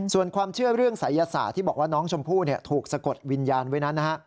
ส่วนความเชื่อเรื่องศัยศาสตร์ที่บอกว่าน้องชมพู่ถูกสะกดวิญญาณไว้นั้นนะฮะ